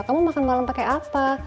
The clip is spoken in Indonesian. kamu makan malam pakai apa